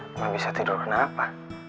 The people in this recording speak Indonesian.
belum bisa tidur kenapa